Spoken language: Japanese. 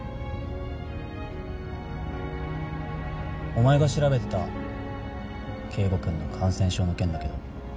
お前が調べてた圭吾君の感染症の件だけど。